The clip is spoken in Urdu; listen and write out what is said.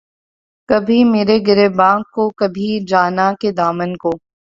کبھی میرے گریباں کو‘ کبھی جاناں کے دامن کو